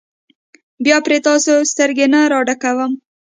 بیا پرې تاسې سترګې نه راډکوم.